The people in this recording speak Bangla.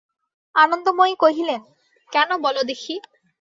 আনন্দময়ী কহিলেন, কেন বলো দেখি।